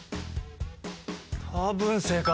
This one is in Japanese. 多分正解！